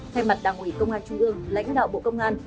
thay mặt đảng ủy công an trung ương lãnh đạo bộ công an